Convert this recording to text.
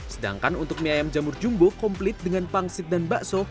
sedangkan untuk mie ayam jamur jumbo komplit dengan pangsit dan bakso